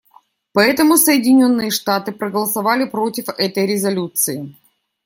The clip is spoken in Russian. Поэтому Соединенные Штаты проголосовали против этой резолюции.